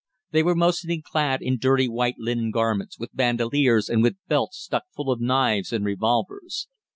They were mostly clad in dirty white linen garments, with bandoliers and with belts stuck full of knives and revolvers.